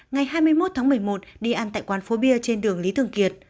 ngày hai mươi một tháng một mươi một đi ăn tại quán phố bia trên đường lý thường kiệt